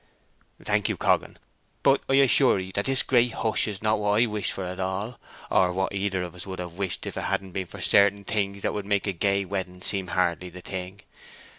"Thank you, Coggan. But I assure 'ee that this great hush is not what I wished for at all, or what either of us would have wished if it hadn't been for certain things that would make a gay wedding seem hardly the thing.